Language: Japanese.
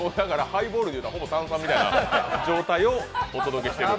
ハイボールで言うたらほぼ炭酸みたいな状態をお届けしている。